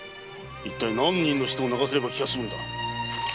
何人の人を泣かせれば気が済むんだ！